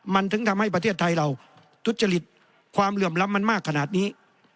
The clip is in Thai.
มันถึงทำให้ประเทศไทยเราทุจริตความเหลื่อมล้ำมันมากขนาดนี้